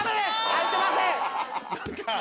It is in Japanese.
開いてません。